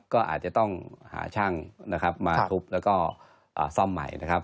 ก็อาจจะต้องหาช่างนะครับมาทุบแล้วก็ซ่อมใหม่นะครับ